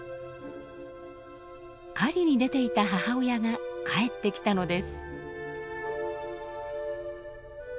狩りに出ていた母親が帰ってきたのです。